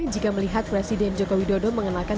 jika melihat presiden jokowi dodo mengenakan